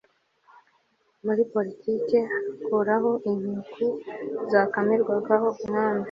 muri politike akuraho inkuku zakamirwaga umwami